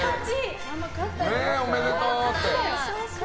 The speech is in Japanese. おめでとうって。